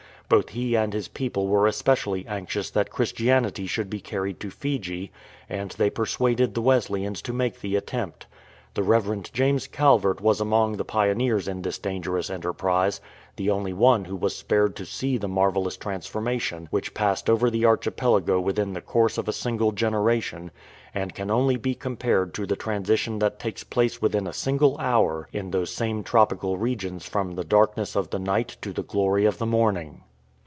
Both he and his people were especially anxious that Christianity should be carried to Fiji, and they persuaded the Wesleyans to make the attempt. The Rev. James Calvert was among the pioneers in this dangerous enterprise ; the only one who was spared to see the marvellous transformation which passed over the archipelago within the course of a single generation, and can only be compared to the transition that takes place within a single hour in those same tropi cal regions from the darkness of the night to the glory of the morning.